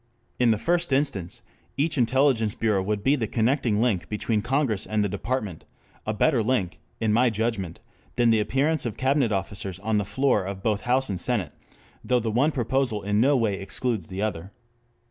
In the first instance each intelligence bureau would be the connecting link between Congress and the Department, a better link, in my judgment, than the appearance of cabinet officers on the floor of both House and Senate, though the one proposal in no way excludes the other.